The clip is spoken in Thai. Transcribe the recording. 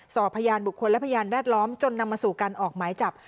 สอบพยานบุคคลและพยานแวดล้อมจนนำมาสู่การออกหมายจับ